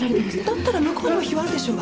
だったら向こうにも非はあるでしょうが。